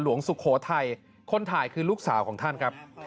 สุโขทัยคนถ่ายคือลูกสาวของท่านครับ